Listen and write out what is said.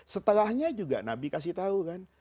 setelahnya juga nabi kasih tahu kan